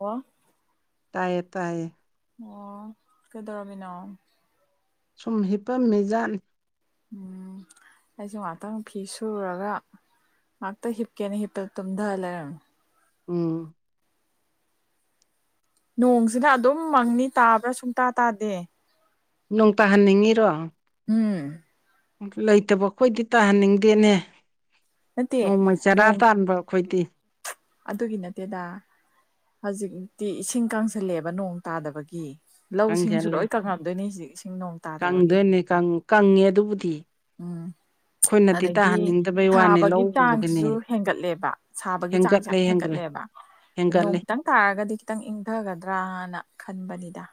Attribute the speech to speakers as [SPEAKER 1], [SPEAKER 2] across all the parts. [SPEAKER 1] ꯑꯣ
[SPEAKER 2] ꯇꯥꯏꯌꯦ ꯇꯥꯏꯌꯦ
[SPEAKER 1] ꯑꯣ ꯀꯗꯧꯔꯃꯤꯅꯣ
[SPEAKER 2] ꯁꯨꯝ ꯍꯤꯞꯄꯝ ꯃꯖꯥ
[SPEAKER 1] ꯎꯝ ꯑꯩꯁꯨ ꯉꯥꯛꯇꯪ ꯐꯤ ꯁꯨꯔꯒ ꯃꯥ ꯇ ꯍꯤꯞꯀꯦꯅꯤ ꯍꯤꯄ ꯇꯨꯝꯗꯑꯂ
[SPEAKER 2] ꯎꯝ
[SPEAKER 1] ꯅꯣꯡꯁꯤꯅ ꯑꯗꯨꯝ ꯃꯪꯅꯤ ꯇꯥꯕ꯭ꯔꯥ ꯁꯨꯡꯇꯥ ꯇꯥꯗꯦ
[SPEAKER 2] ꯅꯣꯡ ꯇꯥꯍꯟꯅꯤꯡꯉꯤꯔꯣ
[SPEAKER 1] ꯎꯝ
[SPEAKER 2] ꯂꯩꯇꯕ ꯑꯩꯈꯣꯏꯗꯤ ꯇꯥꯍꯟꯅꯤꯡꯗꯦꯅꯦ
[SPEAKER 1] ꯅꯠꯇꯦ
[SPEAKER 2] ꯅꯣꯡꯃꯩ ꯆꯔꯥ
[SPEAKER 1] ꯅꯣꯡ
[SPEAKER 2] ꯇꯥꯟꯕ ꯑꯩꯈꯣꯏꯗꯤ
[SPEAKER 1] ꯑꯗꯨꯒꯤ ꯅꯠꯇꯦꯗ ꯍꯧꯖꯤꯛꯇꯤ ꯏꯁꯤꯡ ꯀꯪꯁꯜꯂꯛꯑꯦꯕ ꯅꯣꯡ ꯇꯥꯗꯕꯒꯤ ꯂꯧ ꯁꯤꯡꯁꯨ
[SPEAKER 2] ꯀꯪꯁꯜꯂꯦ
[SPEAKER 1] ꯂꯣꯏ ꯀꯪꯉꯝꯗꯣꯏꯅꯤ ꯍꯧꯛ ꯏꯁꯤꯡ ꯅꯣꯡ ꯇꯥꯗꯕꯒꯤ
[SPEAKER 2] ꯀꯪꯗꯣꯏꯅꯦ ꯀꯪ ꯀꯪꯉꯦ ꯑꯗꯨꯕꯨꯗꯤ
[SPEAKER 1] ꯎꯝ
[SPEAKER 2] ꯑꯩꯈꯣꯏꯅꯗꯤ
[SPEAKER 1] ꯑꯗꯒꯤ
[SPEAKER 2] ꯇꯥꯍꯟꯅꯤꯡꯗꯕꯩ ꯋꯥꯅꯤ
[SPEAKER 1] ꯁꯥꯕꯒꯤ
[SPEAKER 2] ꯂꯧ ꯎꯕꯒꯤꯅꯦ
[SPEAKER 1] ꯆꯥꯡꯁꯤꯁꯨ ꯍꯦꯟꯒꯠꯂꯦꯕ ꯁꯥꯕꯒꯤ ꯆꯥꯡꯁꯦ
[SPEAKER 2] ꯍꯦꯟꯒꯠꯂꯦ ꯍꯦꯟꯒꯠꯂꯦ
[SPEAKER 1] ꯍꯦꯟꯒꯠꯂꯦꯕ ꯅꯣꯡ
[SPEAKER 2] ꯍꯦꯟꯒꯠꯂꯦ
[SPEAKER 1] ꯈꯤꯇꯪ ꯇꯥꯔꯒꯗꯤ ꯈꯤꯇꯪ ꯏꯪꯊꯒꯗ꯭ꯔꯅ ꯈꯟꯕꯅꯤꯗ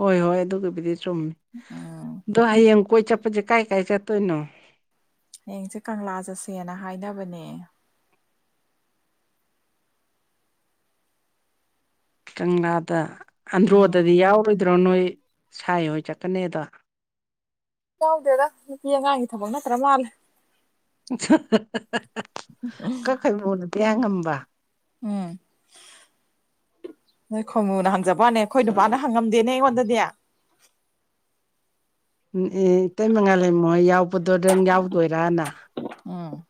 [SPEAKER 2] ꯍꯣꯏ ꯍꯣꯏ ꯑꯗꯨꯒꯤꯕꯨꯗꯤ ꯆꯨꯝꯃꯤ
[SPEAKER 1] ꯎꯝ
[SPEAKER 2] ꯑꯗꯣ ꯍꯌꯦꯡ ꯀꯣꯏ ꯆꯠꯄꯁꯦ ꯀꯥꯏ ꯀꯥꯏ ꯆꯠꯇꯣꯏꯅꯣ
[SPEAKER 1] ꯅꯌꯦꯡꯁꯦ ꯀꯪꯂꯥ ꯆꯠꯁꯦꯅ ꯍꯥꯏꯅꯕꯅꯦ
[SPEAKER 2] ꯀꯪꯂꯥꯗ
[SPEAKER 1] ꯎꯝ
[SPEAKER 2] ꯑꯟꯗ꯭ꯔꯣꯗꯗꯤ ꯌꯥꯎꯔꯣꯏꯗ꯭ꯔꯣ ꯅꯣꯏ ꯁꯥꯏ ꯍꯣꯏ ꯆꯠꯀꯅꯤꯗ
[SPEAKER 1] ꯌꯥꯎꯗꯦꯗ ꯅꯨꯄꯤ ꯑꯉꯥꯡꯒꯤ ꯊꯕꯛ ꯅꯠꯇ꯭ꯔ ꯃꯥꯜꯂꯦ
[SPEAKER 2] ꯀꯈꯩ ꯃꯨꯗ ꯄꯤꯌꯥ ꯉꯝꯕ
[SPEAKER 1] ꯎꯝ ꯅꯣꯏ ꯈꯣꯏꯃꯨꯅ ꯍꯪꯖꯕꯅꯦ ꯑꯩꯈꯣꯏ ꯅꯨꯄꯥꯅ ꯍꯪꯉꯝꯗꯦꯅꯦ ꯑꯩꯉꯣꯟꯗꯗꯤ
[SPEAKER 2] ꯎꯝ ꯑꯦ ꯏꯇꯩ ꯃꯉꯥ ꯂꯩꯃꯣ ꯍꯣꯏ ꯌꯥꯎꯕꯗꯣꯗꯪ ꯌꯥꯎꯗꯣꯏꯔꯥꯅ
[SPEAKER 1] ꯎꯝ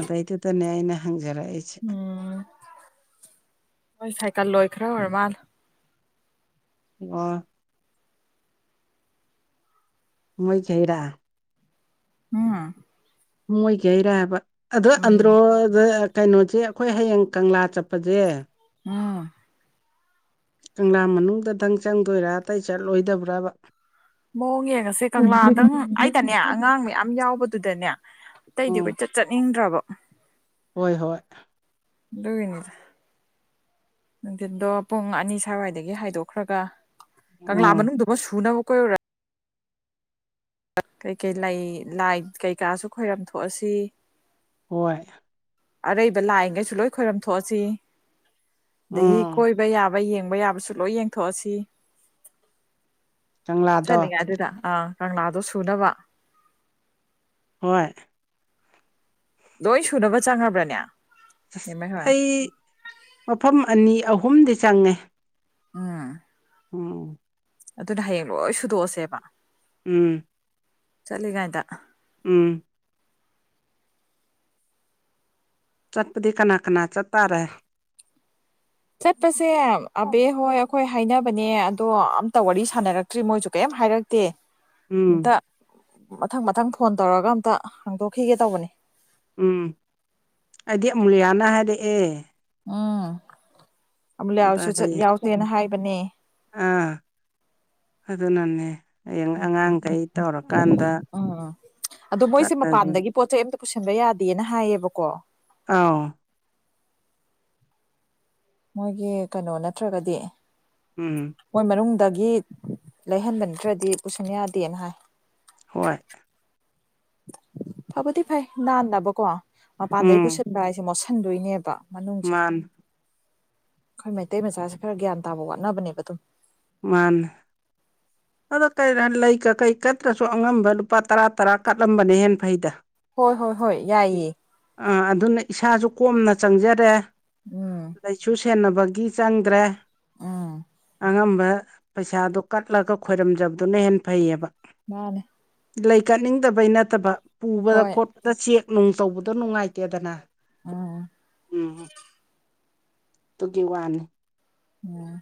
[SPEAKER 2] ꯑꯗꯨꯗꯩꯗꯨꯗꯅꯦ ꯑꯩꯅ ꯍꯪꯖꯔꯛꯏꯁꯦ
[SPEAKER 1] ꯍꯣꯏ ꯁꯥꯏꯀꯜ ꯂꯣꯏꯈ꯭ꯔ ꯑꯣꯏꯔ ꯃꯥꯜ
[SPEAKER 2] ꯑꯣ ꯃꯣꯏ ꯈꯩꯔꯥ
[SPEAKER 1] ꯎꯝ
[SPEAKER 2] ꯃꯣꯏꯒꯤꯩꯔꯑꯕ ꯑꯗꯣ
[SPEAKER 1] ꯎꯝ
[SPEAKER 2] ꯑꯟꯗ꯭ꯔꯣꯗ ꯀꯩꯅꯣꯁꯦ ꯑꯩꯈꯣꯏ ꯍꯌꯦꯡ ꯀꯪꯂꯥ ꯆꯠꯄꯁꯦ
[SPEAKER 1] ꯎꯝ
[SPEAKER 2] ꯀꯪꯂꯥ ꯃꯅꯨꯡꯗꯇꯪ ꯆꯪꯗꯣꯏꯔꯥ ꯑꯇꯩ ꯆꯠꯂꯣꯏꯗꯕ꯭ꯔꯕ
[SPEAKER 1] ꯃꯑꯣꯡ ꯌꯦꯡꯉꯁꯦ ꯀꯪꯂꯥꯗꯪ ꯑꯩꯗꯅꯦ ꯑꯉꯥꯡ ꯃꯌꯥꯝ ꯌꯥꯎꯕꯗꯨꯗꯅꯦ ꯑꯇꯩꯗꯤ
[SPEAKER 2] ꯎꯝ
[SPEAKER 1] ꯀꯣꯏꯆꯠ ꯆꯠꯅꯤꯡꯗ꯭ꯔꯕ
[SPEAKER 2] ꯍꯣꯏ ꯍꯣꯏ
[SPEAKER 1] ꯑꯗꯨꯒꯤꯅꯤ ꯅꯨꯡꯊꯗꯣ ꯄꯨꯡ ꯑꯅꯤ ꯁ꯭ꯋꯥꯏꯗꯒꯤ ꯍꯥꯏꯗꯣꯛꯈ꯭ꯔꯒ ꯀꯪꯂꯥ
[SPEAKER 2] ꯎꯝ
[SPEAKER 1] ꯃꯅꯨꯡꯗꯨꯃ ꯁꯨꯅꯕ ꯀꯣꯏꯔ ꯀꯩꯀꯩ ꯂꯩ ꯂꯥꯏ ꯀꯩꯀꯥꯁꯨ ꯈꯣꯏꯔꯝ ꯊꯣꯛꯑꯁꯤ
[SPEAKER 2] ꯍꯣꯏ
[SPEAKER 1] ꯑꯔꯩꯕ ꯂꯥꯏꯡꯉꯩꯁꯨ ꯂꯣꯏ ꯈꯣꯏꯔꯝ ꯊꯣꯛꯑꯁꯤ ꯑꯗꯒꯤ
[SPEAKER 2] ꯎꯝ
[SPEAKER 1] ꯀꯣꯏꯕ ꯌꯥꯕ ꯌꯦꯡꯕ ꯌꯥꯕꯁꯨ ꯂꯣꯏ ꯌꯦꯡꯊꯣꯛꯑꯁꯤ
[SPEAKER 2] ꯀꯪꯂꯥꯗꯣ
[SPEAKER 1] ꯆꯠꯂꯤꯉꯩꯗꯨꯗ ꯑ ꯀꯪꯂꯥꯗꯣ ꯁꯨꯅꯕ
[SPEAKER 2] ꯍꯣꯏ
[SPEAKER 1] ꯂꯣꯏ ꯁꯨꯅꯕ ꯆꯪꯉꯕ꯭ꯔꯅꯦ ꯅꯦꯝꯃꯩ ꯍꯣꯏ
[SPEAKER 2] ꯑꯩ ꯃꯐꯝ ꯑꯅꯤ ꯑꯍꯨꯝꯗꯤ ꯆꯪꯉꯦ
[SPEAKER 1] ꯎꯝ
[SPEAKER 2] ꯎꯝ
[SPEAKER 1] ꯑꯗꯨꯗꯤ ꯍꯌꯦꯡ ꯂꯣꯏ ꯁꯨꯗꯣꯛꯑꯁꯦꯕ
[SPEAKER 2] ꯎꯝ
[SPEAKER 1] ꯆꯠꯂꯤꯉꯩꯗ
[SPEAKER 2] ꯎꯝ ꯆꯠꯄꯗꯤ ꯀꯅꯥ ꯀꯅꯥ ꯆꯠꯇꯥꯔꯦ
[SPEAKER 1] ꯆꯠꯄꯁꯦ ꯑꯕꯦ ꯍꯣꯏ ꯍꯣꯏ ꯍꯥꯏꯅꯕꯅꯦ ꯑꯗꯣ ꯑꯝꯇ ꯋꯥꯔꯤ ꯁꯥꯟꯅꯔꯛꯇ꯭ꯔꯤ ꯃꯣꯏꯁꯨ ꯀꯩꯝ ꯍꯥꯏꯔꯛꯇꯦ
[SPEAKER 2] ꯎꯝ
[SPEAKER 1] ꯑꯝꯇ ꯃꯊꯪ ꯃꯊꯪ ꯐꯣꯟ ꯇꯧꯔꯒ ꯑꯝꯇ ꯍꯪꯗꯣꯛꯈꯤꯒꯦ ꯇꯧꯕꯅꯤ
[SPEAKER 2] ꯎꯝ ꯑꯩꯗꯤ ꯑꯃꯨꯂꯤꯌꯥꯂꯤꯅ ꯍꯥꯏꯔꯛꯑꯦ
[SPEAKER 1] ꯎꯝ ꯑꯃꯨꯂꯤꯌꯥ
[SPEAKER 2] ꯑꯝꯇ
[SPEAKER 1] ꯍꯣꯏꯁꯨ ꯆꯠ
[SPEAKER 2] ꯍꯌꯦꯡ
[SPEAKER 1] ꯌꯥꯎꯁꯦꯅ ꯍꯥꯏꯕꯅꯦ
[SPEAKER 2] ꯑꯥ ꯑꯗꯨꯅꯅꯦ ꯍꯌꯦꯡ ꯑꯉꯥꯡꯈꯩ ꯇꯧꯔ ꯀꯥꯟꯗ
[SPEAKER 1] ꯎꯝ ꯑꯗꯣ ꯃꯣꯏꯁꯦ ꯃꯄꯥꯟꯗꯒꯤ ꯄꯣꯠ ꯆꯩ ꯑꯃꯠꯇ ꯄꯨꯁꯟꯕ ꯌꯥꯗꯦꯅ ꯍꯥꯏꯌꯦꯕꯀꯣ
[SPEAKER 2] ꯑꯧ
[SPEAKER 1] ꯃꯣꯏꯒꯤ ꯀꯩꯅꯣ ꯅꯠꯇ꯭ꯔꯒꯗꯤ
[SPEAKER 2] ꯎꯝ
[SPEAKER 1] ꯃꯣꯏ ꯃꯅꯨꯡꯗꯒꯤ ꯂꯩꯍꯟꯕ ꯅꯠꯇꯔꯗꯤ ꯄꯨꯁꯟ ꯌꯥꯗꯦꯅ ꯍꯥꯏ
[SPEAKER 2] ꯍꯣꯏ
[SPEAKER 1] ꯐꯕꯨꯗꯤ ꯐꯩ ꯅꯥꯟꯅꯕꯀꯣ ꯃꯄꯥꯟꯗꯩ
[SPEAKER 2] ꯎꯝ
[SPEAKER 1] ꯄꯨꯁꯤꯟꯕ ꯍꯥꯏꯁꯦ ꯃꯣꯠꯁꯤꯟꯗꯣꯏꯅꯦꯕ ꯃꯅꯨꯡꯁꯦ
[SPEAKER 2] ꯃꯥꯅꯤ
[SPEAKER 1] ꯑꯩꯈꯣꯏ ꯃꯩꯇꯩ ꯃꯆꯥꯁꯦ ꯈꯔ ꯒ꯭ꯌꯥꯟ ꯇꯥꯕ ꯋꯥꯠꯅꯕꯅꯦꯕ ꯑꯗꯨꯝ
[SPEAKER 2] ꯃꯥꯅꯦ ꯑꯗꯣ ꯀꯩꯗ ꯂꯩ ꯀꯥꯀꯩ ꯀꯠꯇꯔꯁꯨ ꯑꯉꯝꯕ ꯂꯨꯄꯥ ꯇꯔꯥ ꯇꯔꯥ ꯀꯠꯂꯝꯕꯅꯦ ꯍꯦꯟ ꯐꯩꯗ
[SPEAKER 1] ꯍꯣꯏ ꯍꯣꯏ ꯍꯣꯏ ꯌꯥꯏꯌꯦ
[SPEAKER 2] ꯑꯥ ꯑꯗꯨꯅ ꯏꯁꯥꯖꯨ ꯀꯣꯝꯅ ꯆꯪꯖꯔꯦ
[SPEAKER 1] ꯎꯝ
[SPEAKER 2] ꯂꯩꯥꯁꯨ ꯁꯦꯟꯅꯕꯒꯤ ꯆꯪꯗ꯭ꯔꯦ
[SPEAKER 1] ꯎꯝ
[SPEAKER 2] ꯑꯉꯝꯕ ꯄꯩꯁꯥꯗꯣ ꯀꯠꯂꯒ ꯈꯣꯏꯔꯝꯖꯕꯗꯨꯅ ꯍꯦꯟꯅ ꯐꯩꯌꯦꯕ
[SPEAKER 1] ꯃꯥꯅꯦ
[SPEAKER 2] ꯂꯩ ꯀꯠꯅꯤꯡꯗꯕꯩ ꯅꯠꯇꯕ ꯄꯨꯕꯗ
[SPEAKER 1] ꯍꯣꯏ
[SPEAKER 2] ꯈꯣꯠꯄꯗ ꯆꯦꯛ ꯅꯨꯡ ꯇꯧꯕꯗꯣ ꯅꯨꯡꯉꯥꯏꯇꯦꯗꯅ
[SPEAKER 1] ꯎꯝ
[SPEAKER 2] ꯎꯝ ꯇꯨꯒꯤ ꯋꯥꯅꯤ
[SPEAKER 1] ꯎꯝ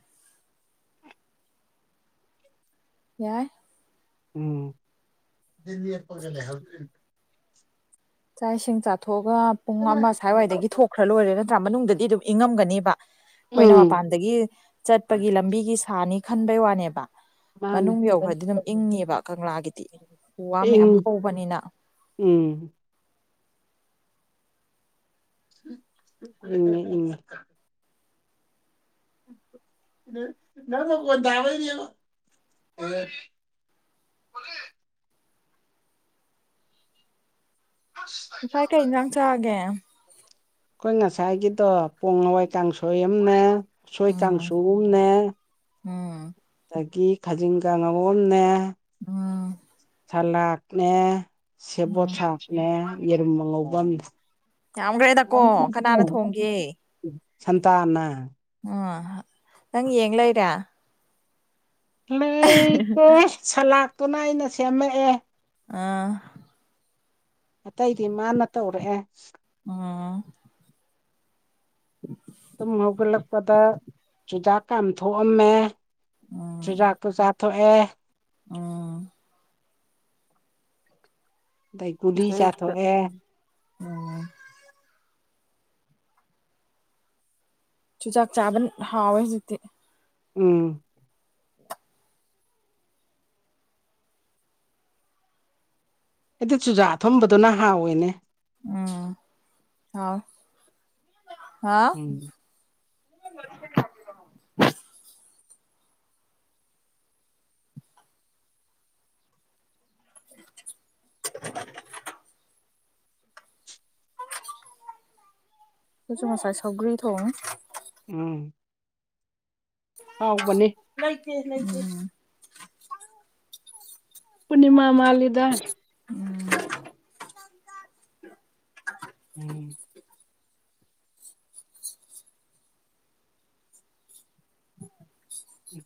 [SPEAKER 1] ꯌꯥꯏ
[SPEAKER 2] ꯎꯝ ꯗꯤ ꯌꯦꯞꯄꯒ ꯂꯩꯍꯧꯗꯣꯏꯅꯤ
[SPEAKER 1] ꯆꯥꯛ ꯏꯁꯤꯡ ꯆꯥꯊꯣꯛꯑꯒ ꯄꯨꯡ ꯑꯃ ꯁꯥꯋꯥꯏꯗꯒꯤ ꯊꯣꯛꯈ꯭ꯔ ꯂꯣꯏꯔꯦ ꯅꯠꯇ꯭ꯔꯥ ꯃꯅꯨꯡꯗꯗꯤ ꯑꯗꯨꯝ ꯏꯪꯉꯝꯒꯅꯦꯕ ꯑꯩꯈꯣꯏꯅ
[SPEAKER 2] ꯎꯝ
[SPEAKER 1] ꯃꯄꯥꯟꯗꯒꯤ ꯆꯠꯄꯒꯤ ꯂꯝꯕꯤꯒꯤ ꯁꯥꯅꯤ ꯈꯟꯕꯩ ꯋꯥꯅꯦꯕ
[SPEAKER 2] ꯃꯥꯅꯤ
[SPEAKER 1] ꯃꯅꯨꯡ ꯌꯧꯒ꯭ꯔꯗꯤ ꯑꯗꯨꯝ ꯏꯪꯅꯤꯕ ꯀꯪꯂꯥꯒꯤꯗꯤ ꯎ ꯋꯥ
[SPEAKER 2] ꯏꯪ
[SPEAKER 1] ꯃꯌꯥꯝ ꯍꯧꯕꯅꯤꯅ
[SPEAKER 2] ꯎꯝ ꯏꯪꯉꯤ ꯏꯪꯉꯤ [unintelligible] ꯑꯁ
[SPEAKER 1] ꯉꯁꯥꯏ ꯀꯩ ꯏꯟꯖꯥꯡ ꯆꯥꯒꯦ
[SPEAKER 2] ꯑꯈꯣꯏ ꯉꯁꯥꯏꯒꯤꯗꯣ ꯄꯣꯡ ꯍꯋꯥꯏ ꯀꯥꯡꯁꯣꯏ ꯑꯝꯅꯦ ꯎꯁꯣꯏ
[SPEAKER 1] ꯎꯝ
[SPEAKER 2] ꯀꯥꯡꯁꯨ ꯑꯝꯅꯦ
[SPEAKER 1] ꯎꯝ
[SPEAKER 2] ꯑꯗꯒꯤ ꯈꯥꯖꯤꯡ ꯀꯥꯡꯍꯧ ꯑꯝꯅꯦ
[SPEAKER 1] ꯎꯝ
[SPEAKER 2] ꯁꯂꯥꯥꯛꯅꯦ ꯁꯦꯕꯣꯠ
[SPEAKER 1] ꯎꯝ
[SPEAKER 2] ꯁꯥꯛ ꯅꯦ ꯌꯦꯔꯨꯝ ꯑꯉꯧꯕ ꯑꯝꯅꯦ
[SPEAKER 1] ꯌꯥꯝꯒ꯭ꯔꯦꯗꯀꯣ ꯀꯅꯥꯅ ꯊꯣꯡꯒꯦ
[SPEAKER 2] ꯁꯟꯇꯥꯅ
[SPEAKER 1] ꯑꯣ ꯅꯪ ꯌꯦꯡ ꯂꯩꯔꯦ
[SPEAKER 2] ꯂꯩꯇꯦ ꯁꯂꯥꯠꯇꯨꯅ ꯑꯩꯅ ꯁꯦꯝꯃꯛꯑꯦ
[SPEAKER 1] ꯑꯥ
[SPEAKER 2] ꯑꯇꯩꯗꯤ ꯃꯥꯅ ꯇꯧꯔꯛꯑꯦ
[SPEAKER 1] ꯑꯣ [inaudible]
[SPEAKER 2] ꯇꯨꯝ ꯍꯧꯒꯠꯂꯛꯄꯗ ꯆꯨꯖꯥꯛ ꯀꯥꯝꯊꯣꯛꯑꯝꯃꯦ ꯆꯨꯖꯥꯛꯇꯣ ꯆꯥꯊꯣꯛꯑꯦ
[SPEAKER 1] ꯎꯪ
[SPEAKER 2] ꯑꯗꯩ ꯒꯨꯂꯤ ꯆꯥꯊꯣꯛꯑꯦ
[SPEAKER 1] [unintelligible] ꯆꯨꯖꯥꯛ ꯆꯥꯕꯅ ꯍꯥꯎꯋꯦ ꯍꯧꯖꯤꯛꯇꯤ
[SPEAKER 2] ꯎꯝ ꯑꯩꯗꯨ ꯆꯨꯖꯥꯛ ꯑꯊꯨꯝꯕꯗꯨꯅ ꯍꯥꯎꯋꯤꯅꯦ
[SPEAKER 1] ꯎꯝ ꯍꯥꯎꯏ ꯍꯥ
[SPEAKER 2] ꯎꯝ
[SPEAKER 1] [inaudible] ꯑꯩꯈꯣꯏꯁꯨ ꯉꯁꯥꯏ ꯁꯧꯒ꯭ꯔꯤ ꯊꯣꯡꯉꯦ
[SPEAKER 2] ꯎꯝ ꯍꯥꯎꯕꯅꯤ
[SPEAKER 1] ꯂꯩꯇꯦ ꯂꯩꯇꯦ
[SPEAKER 2] ꯄꯨꯔꯅꯤꯃꯥ ꯃꯥꯂꯤꯗ
[SPEAKER 1] ꯎꯝ
[SPEAKER 2] ꯎꯝ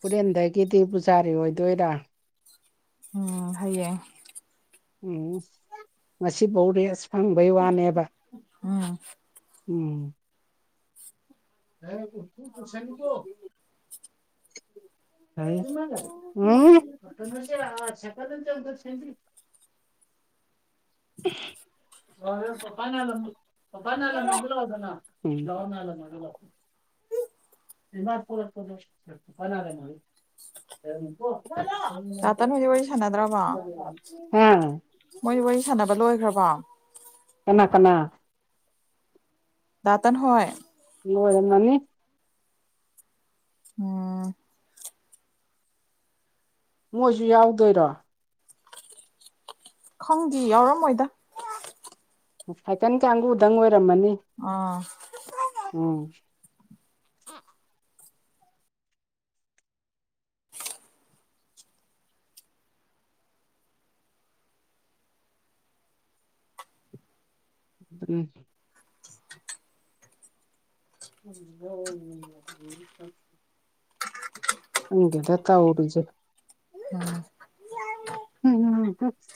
[SPEAKER 2] ꯍꯨꯔꯦꯟꯗꯒꯤꯗꯤ ꯄꯨꯖꯥꯔꯤ ꯑꯣꯏꯗꯣꯏꯔꯥ
[SPEAKER 1] ꯎ ꯍꯌꯦ
[SPEAKER 2] ꯎꯝ ꯉꯁꯤꯐꯧ ꯔꯦꯠꯁ ꯐꯪꯕꯩ ꯋꯥꯅꯦꯕ
[SPEAKER 1] ꯎꯝ
[SPEAKER 2] ꯎꯝ ꯑꯦꯕꯨ ꯇꯨ ꯇ ꯁꯪꯒꯣ ꯍꯥꯏ ꯃꯥ ꯎ ꯁꯄ ꯆ ꯁ ꯄꯄꯥ ꯅꯜ ꯄꯄꯥ ꯅꯂꯗꯔꯋꯥꯗꯅ ꯍꯗꯥꯎꯅ ꯑꯂ ꯃꯥ ꯂ ꯃ ꯄꯨꯔꯛꯄ ꯀꯨ ꯐꯅꯔ ꯃ
[SPEAKER 1] ꯆꯇꯅ ꯍꯧꯖꯤ ꯋꯥꯔꯤ ꯁꯥꯟꯅꯗ꯭ꯔꯕ
[SPEAKER 2] ꯍꯥ
[SPEAKER 1] ꯃꯣꯏꯗꯤ ꯋꯥꯔꯤ ꯁꯥꯟꯅꯕ ꯂꯣꯏꯈ꯭ꯔꯕꯣ
[SPEAKER 2] ꯀꯅꯥ ꯀꯅꯥ
[SPEAKER 1] ꯗꯇꯅ ꯍꯣꯏ
[SPEAKER 2] ꯍꯣꯏꯗ ꯅꯅꯤ
[SPEAKER 1] ꯎꯝ
[SPEAKER 2] ꯃꯣꯏꯁꯨ ꯌꯥꯎꯗꯣꯏꯔꯣ
[SPEAKER 1] ꯈꯪꯗꯦ ꯌꯥꯎꯔꯝꯃꯣꯏꯗ
[SPEAKER 2] ꯍꯥꯏꯥꯏꯀꯟ ꯀꯥꯡꯒꯗꯪ ꯑꯣꯏꯔꯝꯃꯅꯤ
[SPEAKER 1] ꯑꯥ
[SPEAKER 2] ꯎꯝ ꯎꯝ ꯎ ꯍ ꯑꯪꯗꯦ ꯇ ꯎꯔꯁꯦ
[SPEAKER 1] ꯎꯝ
[SPEAKER 2] [unintelligible]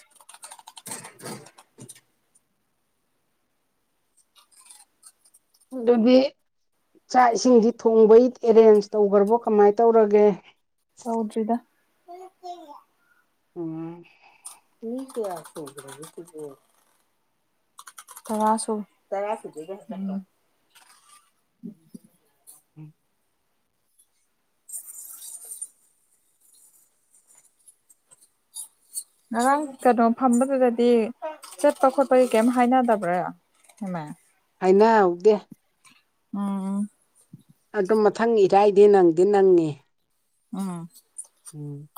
[SPEAKER 2] ꯑꯗꯨꯗꯤ ꯆꯥꯛ ꯏꯁꯤꯡꯁꯤ ꯊꯣꯡꯕꯩ ꯑꯦꯔꯦꯟꯖ ꯇꯧꯈ꯭ꯔꯕꯣ ꯀꯃꯥꯏꯅ ꯇꯧꯔꯒꯦ
[SPEAKER 1] ꯍꯧꯗ꯭ꯔꯤꯗ ꯑꯣ ꯀ
[SPEAKER 2] ꯎꯝ
[SPEAKER 1] ꯃꯤ ꯀꯌꯥ ꯁ꯭ꯔ ꯇꯔꯁꯨ ꯇꯔ
[SPEAKER 2] [inaudible]
[SPEAKER 1] ꯉꯔꯥꯡ ꯀꯩꯅꯣ ꯐꯝꯕꯗꯨꯗꯗꯤ ꯆꯠꯄ ꯈꯣꯠꯄꯒꯤ ꯀꯩꯝ ꯍꯥꯏꯅꯗꯕ꯭ꯔꯥꯃꯥꯏ
[SPEAKER 2] ꯍꯥꯏꯅ ꯍꯧꯗꯦ
[SPEAKER 1] ꯎꯝ
[SPEAKER 2] ꯑꯗꯨ ꯃꯊꯪ ꯏꯔꯥꯏꯗꯤ ꯅꯪꯗꯤ ꯅꯪꯉ
[SPEAKER 1] ꯑ
[SPEAKER 2] [inaudible]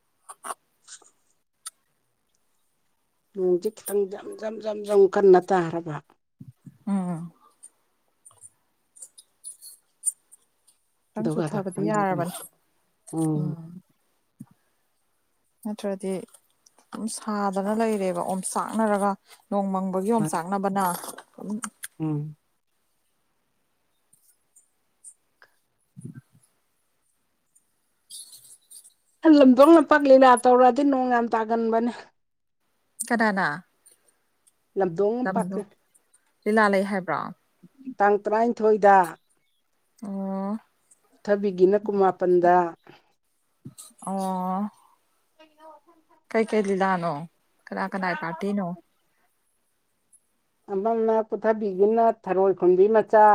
[SPEAKER 1] [unintelligible]
[SPEAKER 2] ꯅꯣꯡꯗꯤ ꯈꯤꯇꯪ ꯖꯝ ꯖꯝ ꯖꯝ ꯖꯝ ꯀꯟꯅ ꯇꯥꯔꯕ
[SPEAKER 1] ꯎꯝ ꯈꯤꯇꯪ
[SPEAKER 2] ꯑꯗꯨꯒꯗ
[SPEAKER 1] ꯆꯨꯊꯕꯗꯤ
[SPEAKER 2] ꯈꯪꯕꯒꯨꯝ
[SPEAKER 1] ꯌꯥꯔꯕꯅꯤ ꯎꯝ ꯅꯠꯇ꯭ꯔꯗꯤ ꯁꯝ ꯁꯥꯗꯅ ꯂꯩꯔꯦꯕ ꯑꯣꯝ ꯆꯥꯛꯅꯔꯒ ꯅꯣꯡꯃꯪꯕꯒꯤ ꯑꯣꯝ ꯆꯥꯛ [unintelligible]
[SPEAKER 2] ꯎꯝ ꯈꯍꯟ ꯂꯝꯊꯣꯛ ꯂꯝꯄꯥꯛ ꯂꯤꯂꯥ ꯇꯧꯔꯗꯤ ꯅꯣꯡ ꯌꯥꯝ ꯇꯥꯒꯟꯕꯅꯦ
[SPEAKER 1] ꯀꯅꯥꯅꯥ
[SPEAKER 2] ꯂꯗꯣꯡ ꯄꯛꯄ
[SPEAKER 1] ꯂꯤꯂꯥ ꯂꯩ ꯍꯥꯏꯕ꯭ꯔꯥ
[SPEAKER 2] ꯇꯥꯡ ꯇꯔꯥꯏꯅꯤꯊꯣꯏꯗ
[SPEAKER 1] ꯑꯣ
[SPEAKER 2] ꯊꯕꯤꯒꯤꯅ ꯀꯨꯃꯥꯄꯟꯗ
[SPEAKER 1] ꯑꯣ
[SPEAKER 2] [unintelligible]
[SPEAKER 1] ꯀꯩ ꯀꯩ ꯂꯤꯂꯥꯅꯣ ꯀꯅꯥ ꯀꯅꯥꯏ ꯄꯥꯔꯇꯤꯅꯣ
[SPEAKER 2] ꯑꯃꯅ ꯄꯨꯊꯕꯤꯗꯨꯅ ꯊꯔꯣꯏ ꯈꯨꯟꯕꯤ ꯃꯆꯥ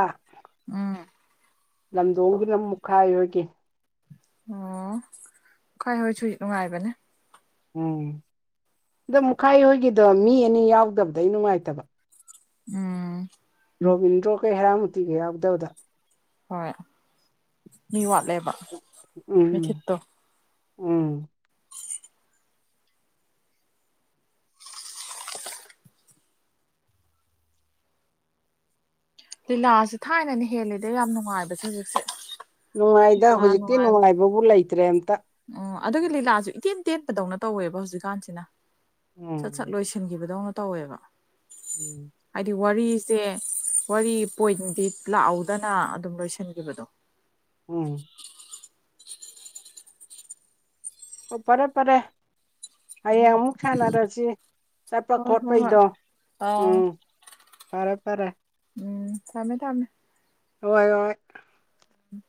[SPEAKER 1] ꯎꯝ
[SPEAKER 2] ꯂꯝꯗꯣꯡꯒꯤꯗꯨꯅ ꯃꯨꯛꯈꯥꯏ ꯍꯣꯏꯒꯤ
[SPEAKER 1] ꯑꯣ ꯈꯣꯏ ꯍꯣꯏꯁꯨ ꯅꯨꯡꯉꯥꯏꯕꯅꯦ
[SPEAKER 2] ꯎꯝ ꯗꯣ ꯃꯨꯛꯈꯥꯏ ꯍꯣꯏꯒꯤꯗꯣ ꯃꯤ ꯑꯅꯤ ꯌꯥꯎꯗꯕꯗꯩ ꯅꯨꯡꯉꯥꯏꯇꯕ
[SPEAKER 1] ꯎꯝ
[SPEAKER 2] ꯔꯣꯕꯤꯟꯗ꯭ꯔꯣ ꯒ ꯍꯦꯔꯥꯃꯣꯇꯤꯒ ꯌꯥꯎꯗꯕꯗ
[SPEAKER 1] ꯍꯣꯏ ꯃꯤ ꯋꯥꯠꯂꯦꯕ
[SPEAKER 2] ꯎꯝ
[SPEAKER 1] ꯃꯤꯊꯤꯠꯇꯣ
[SPEAKER 2] ꯎꯝ
[SPEAKER 1] ꯂꯤꯂꯥꯁꯦ ꯊꯥꯏꯅꯅ ꯍꯦꯜꯂꯤꯗ ꯌꯥꯝ ꯅꯨꯡꯉꯥꯏꯕꯁꯦ ꯍꯧꯖꯤꯛꯁꯦ
[SPEAKER 2] ꯅꯨꯡꯉꯥꯏꯗ
[SPEAKER 1] ꯂꯤꯂꯥ
[SPEAKER 2] ꯍꯧꯖꯤꯛꯇꯤ
[SPEAKER 1] ꯅꯨꯡꯉꯥꯏꯕ
[SPEAKER 2] ꯅꯨꯡꯉꯥꯏꯕꯕꯨ ꯂꯩꯇ꯭ꯔꯦ ꯑꯝꯇ
[SPEAKER 1] ꯑꯣ ꯑꯗꯨꯒꯤ ꯂꯤꯂꯥꯁꯨ ꯏꯇꯦꯟ ꯇꯦꯟꯕꯗꯧꯅ ꯇꯧꯋꯦꯕ ꯍꯧꯖꯤꯛꯀꯥꯟꯁꯤꯅ ꯁꯠ
[SPEAKER 2] ꯎꯝ
[SPEAKER 1] ꯁꯠ ꯂꯣꯏꯁꯤꯟꯈꯤꯕꯗꯧꯅ ꯇꯧꯋꯦꯕ
[SPEAKER 2] ꯎꯝ
[SPEAKER 1] ꯍꯥꯏꯗꯤ ꯋꯥꯔꯤꯁꯦ ꯋꯥꯔꯤ ꯄꯣꯏꯟꯗꯤ ꯂꯥꯛꯑꯧꯗꯅ ꯑꯗꯨꯝ ꯂꯣꯏꯁꯤꯟꯒꯤꯕꯗꯣ
[SPEAKER 2] ꯎꯝ ꯑꯣ ꯄꯔꯦ ꯄꯔꯦ ꯍꯌꯦꯡ ꯑꯃꯨꯛ ꯁꯥꯟꯅꯔꯁꯤ ꯆꯠꯄ
[SPEAKER 1] ꯍꯣꯏ ꯍꯣꯏ ꯍꯣꯏ
[SPEAKER 2] ꯈꯣꯠꯄꯩꯗꯣ
[SPEAKER 1] ꯑꯥ
[SPEAKER 2] ꯎꯝ ꯐꯔꯦ ꯐꯔꯦ
[SPEAKER 1] ꯎꯝ ꯊꯝꯃꯦ ꯊꯝꯃꯦ
[SPEAKER 2] ꯍꯣꯏ ꯍꯣꯏ
[SPEAKER 1] ꯎꯝ [unintelligible]